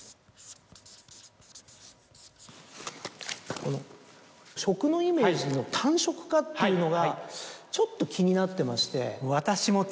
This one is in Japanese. この食のイメージの単色化っていうのがちょっと気になってまして。